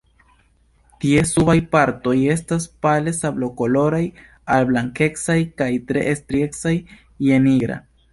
Ties subaj partoj estas pale sablokoloraj al blankecaj kaj tre striecaj je nigra.